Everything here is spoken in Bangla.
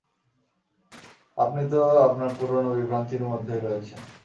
আপনি তো আপনার পুরনো বিভ্রান্তির মধ্যেই রয়েছেন।